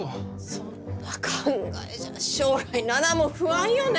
そんな考えじゃ将来菜々も不安よね。